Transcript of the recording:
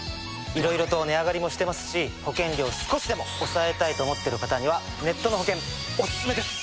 いろいろと値上がりもしてますし保険料を少しでも抑えたいと思っている方にはネットの保険オススメです！